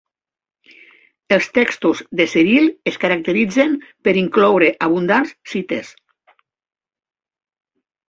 Els textos de Ciril es caracteritzen per incloure abundants cites.